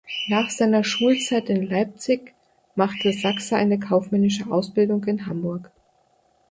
Nach seiner Schulzeit in Leipzig machte Sachse eine kaufmännische Ausbildung in Hamburg.